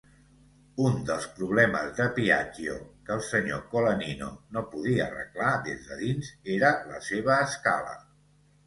Un dels problemes de Piaggio que el senyor Colaninno no podia arreglar des de dins era la seva escala.